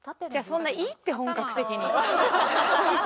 そんないいって本格的に。